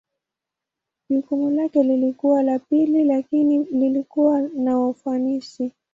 Jukumu lake lilikuwa la pili lakini lilikuwa na ufanisi.